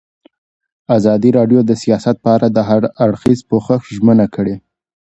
ازادي راډیو د سیاست په اړه د هر اړخیز پوښښ ژمنه کړې.